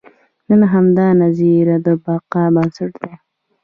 نن همدا نظریه د بقا بنسټ دی.